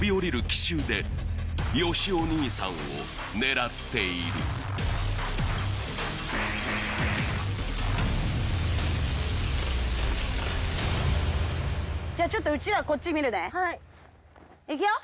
奇襲でよしお兄さんを狙っているじゃちょっとうちらこっち見るねいくよ